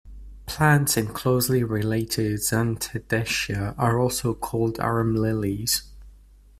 Plants in closely related "Zantedeschia" are also called "arum lilies".